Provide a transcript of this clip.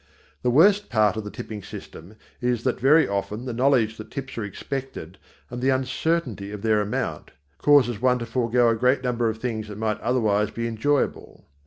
The worst part of the tipping system is that very often the knowledge that tips are expected and the uncertainty of their amount, causes one to forego a great number of things that might otherwise be enjoyable.